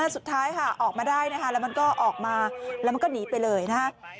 สุดท้ายค่ะออกมาได้นะคะแล้วมันก็ออกมาแล้วมันก็หนีไปเลยนะฮะ